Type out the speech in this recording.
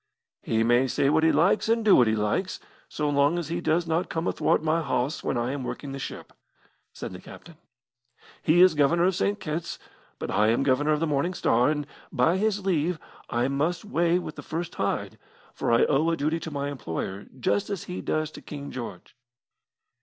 "He may say what he likes, and do what he likes, so long as he does not come athwart my hawse when I am working the ship," said the captain. "He is Governor of St. Kitt's, but I am Governor of the Morning Star, and, by his leave, I must weigh with the first tide, for I owe a duty to my employer, just as he does to King George."